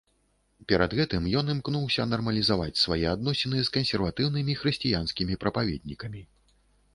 Перад гэтым ён імкнуўся нармалізаваць свае адносіны з кансерватыўнымі хрысціянскімі прапаведнікамі.